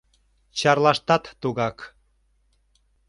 Чарлаштат тугак.